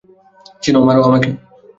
চিনো, মারো আমাকে!